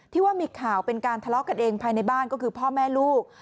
ว่ามีข่าวเป็นการทะเลาะกันเองภายในบ้านก็คือพ่อแม่ลูก